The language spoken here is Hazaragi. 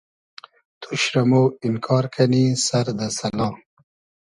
توش رۂ مۉ اینکار کئنی سئر دۂ سئلا